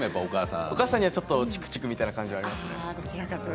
お母さんにはチクチクみたいな感じがありますね。